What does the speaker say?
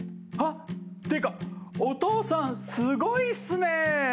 っていうかお父さんすごいっすね！」